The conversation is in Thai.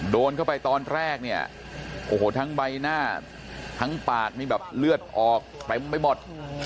โดนเข้าไปตอนแรกเนี่ยโอ้โหทั้งใบหน้าทั้งปากนี่แบบเลือดออกเต็มไปหมด